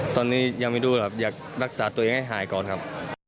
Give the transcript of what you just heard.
ตอนนี้ยังไม่รู้ครับอยากรักษาตัวเองให้หายก่อนครับ